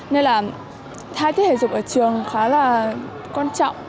nên là thay thế thể dục ở trường khá là quan trọng